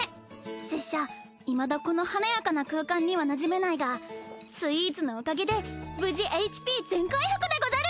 拙者いまだこの華やかな空間にはなじめないがスイーツのおかげで無事ＨＰ全回復でござる！